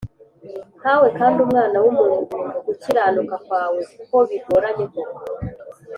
nkawe Kandi umwana w umuntu gukiranuka kwawe kobigoranye koko